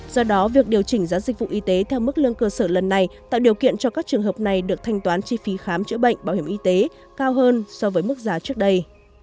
do đó việc điều chỉnh giá dịch vụ y tế theo mức lương cơ sở lần này tạo điều kiện cho các trường hợp này được thanh toán chi phí khám chữa bệnh bảo hiểm y tế cao hơn so với mức giá trước đây